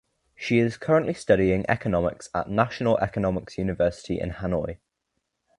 She is currently studying economics at National Economics University in Hanoi.